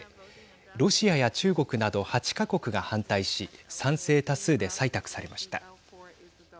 ロシアや中国など８か国が反対し賛成多数で採択されました。